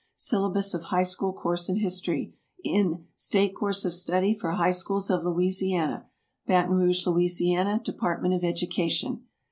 "Syllabus of High School Course in History," in "State Course of Study for High Schools of Louisiana." Baton Rouge, La., Department of Education.